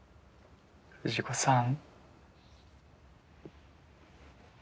藤子さん。